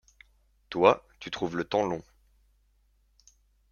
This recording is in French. Toi, tu trouves le temps long.